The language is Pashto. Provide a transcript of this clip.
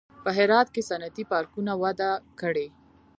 په هرات کې صنعتي پارکونه وده کړې